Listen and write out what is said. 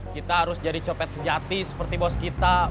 kita harus jadi copet sejati seperti bos kita